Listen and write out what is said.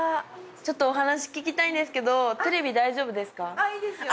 ちょっとお話聞きたいんですけどテレビ大丈夫ですか？